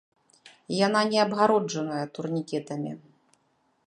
Яна не абгароджаная турнікетамі.